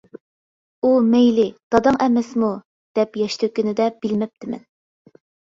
ئۇ مەيلى، داداڭ ئەمەسمۇ؟ دەپ ياش تۆككىنىدە بىلمەپتىمەن.